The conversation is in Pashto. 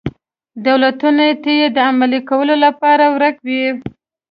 دولتونو ته یې د عملي کولو لپاره ورک وي.